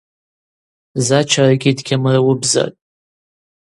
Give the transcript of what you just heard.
Зач арыгьи дгьамыруыбзатӏ.